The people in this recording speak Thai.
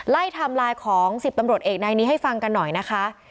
ไลร์ตามไลค์ของ๑๐ตำรวจอีกในนี้ให้ฟังกันหน่อยนะคะ